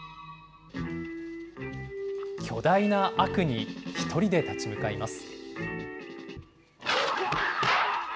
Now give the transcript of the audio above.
巨大な悪に１人で立ち向かいます。